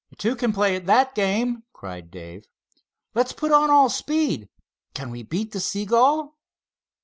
"Two can play at that game!" cried Dave. "Let's put on all speed! Can we beat the seagull?"